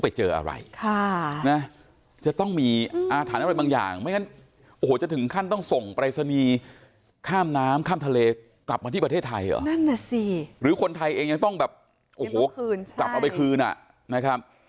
ไปเจออะไรอย่างไปอย่างจะถึงขั้นต้องส่งไปทรรณีข้ามน้ำข้ามทะเลกลับมาที่ประเทศไทยอ่ะนั่นน่ะสิรือคนไทยเองต้องแบบพลกลับเอาไปคืนอ่ะนะครับ